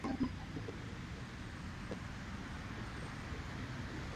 আমি যদি আপনাকে বিরুদ্ধপক্ষ বলে মনে করতুম তা হলে কোনো কথাই বলতুম না।